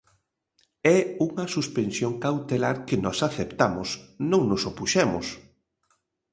É unha suspensión cautelar que nós aceptamos, non nos opuxemos.